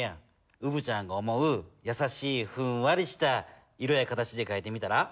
うぶちゃんが思うやさしいふんわりした色や形でかいてみたら？